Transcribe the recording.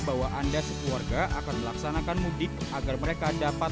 bahwa anda sekeluarga akan melaksanakan mundik agar mereka dapat